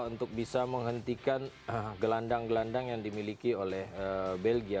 untuk bisa menghentikan gelandang gelandang yang dimiliki oleh belgia